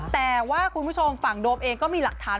แต่ว่าคุณผู้ชมฝั่งโดมเองก็มีหลักฐาน